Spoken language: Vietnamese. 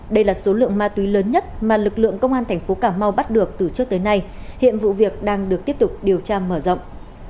đây là số lượng ma túy lớn nhất mà lực lượng công an thành phố cà mau bắt được từ trước tới nay hiện vụ việc đang được tiếp tục điều tra mở rộng